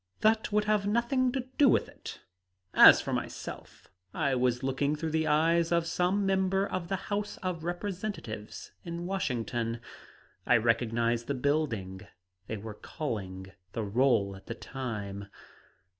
"That would have nothing to do with it. As for myself, I was looking through the eyes of some member of the House of Representatives, in Washington. I recognized the building. They were calling the roll at the time."